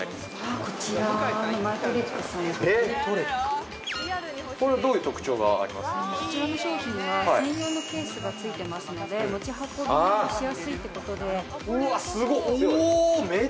こちらの商品は専用のケースがついてますので持ち運びがしやすいってことでうわっすごっ！